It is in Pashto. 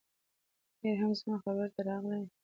اخیر هم زما خبرې ته راغلې